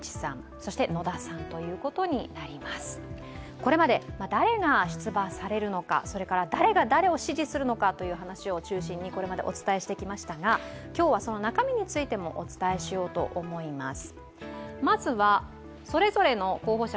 これまで誰が出馬されるのか、誰が誰を支持するのかという話を中心にこれまでお伝えしてきましたが今日はその中身についてもお伝えしようと思います。